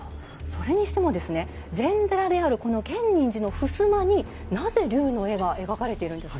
それにしても禅寺であるこの建仁寺のふすまになぜ龍の絵が描かれているんですか？